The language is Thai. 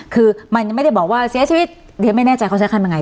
คือมันยังไม่ได้บอกว่าเสียชีวิตเดี๋ยวไม่แน่ใจเขาใช้คำยังไง